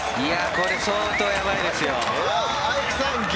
これ、相当やばいですよ。